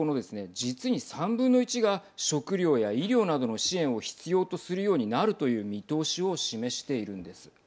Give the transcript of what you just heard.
実に３分の１が食糧や医療などの支援を必要とするようになるという見通しを示しているんです。